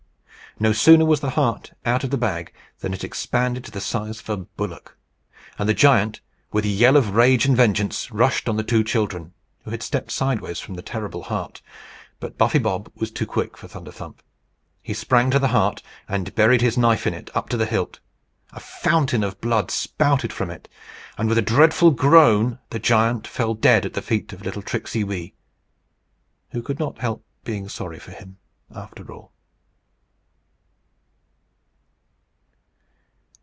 No sooner was the heart out of the bag, than it expanded to the size of a bullock; and the giant, with a yell of rage and vengeance, rushed on the two children, who had stepped sideways from the terrible heart. But Buffy Bob was too quick for Thunderthump. He sprang to the heart, and buried his knife in it, up to the hilt. A fountain of blood spouted from it; and with a dreadful groan the giant fell dead at the feet of little Tricksey Wee, who could not help being sorry for him after all.